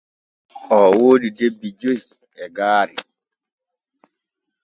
Oo woodi debbi joy e gaari.